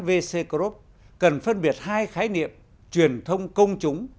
vc group cần phân biệt hai khái niệm truyền thông công chúng